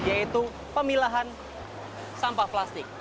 yaitu pemilahan sampah plastik